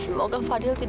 semua orang kita faktirkan